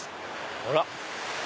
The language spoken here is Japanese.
ほら！